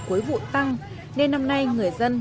cuối vụ tăng nên năm nay người dân